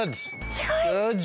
すごい！